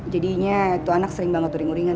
jadinya itu anak sering banget turing turingan